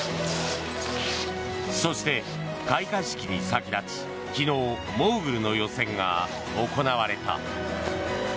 そして、開会式に先立ち昨日、モーグルの予選が行われた。